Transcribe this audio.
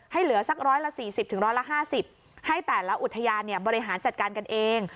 เหลือสัก๑๔๐๑๕๐ให้แต่ละอุทยานบริหารจัดการกันเอง